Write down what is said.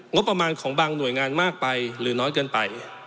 งบประมาณของบางหน่วยงานมากไปหรือน้อยเกินไป